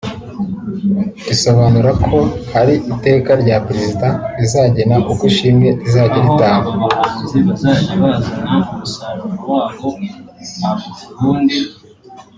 risobanura ko hari Iteka rya Perezida rizagena uko ishimwe rizajya ritangwa